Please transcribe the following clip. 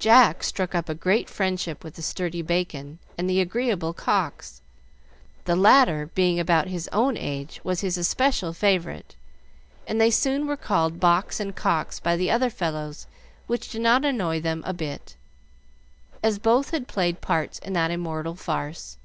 Jack struck up a great friendship with the sturdy Bacon and the agreeable Cox: the latter, being about his own age, was his especial favorite; and they soon were called Box and Cox by the other fellows, which did not annoy them a bit, as both had played parts in that immortal farce.